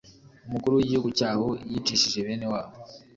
umukuru w’igihugu cyaho yicishije bene wabo